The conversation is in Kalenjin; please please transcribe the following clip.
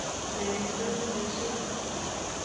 Naet koipu boishet